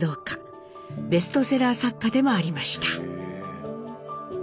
ベストセラー作家でもありました。